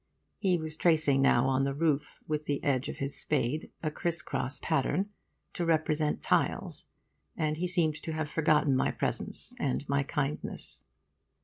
He was tracing now on the roof, with the edge of his spade, a criss cross pattern, to represent tiles, and he seemed to have forgotten my presence and my kindness.